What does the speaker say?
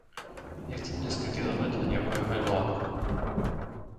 Nechcem dnes kritizovať ani obhajovať vládu.